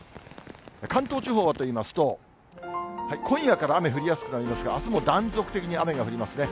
関東地方はといいますと、今夜から雨降りやすくなりますが、あすも断続的に雨が降りますね。